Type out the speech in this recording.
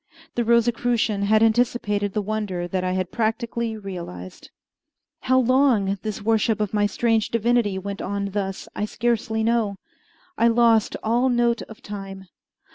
The Rosicrucian had anticipated the wonder that I had practically realized. How long this worship of my strange divinity went on thus I scarcely know. I lost all note of time.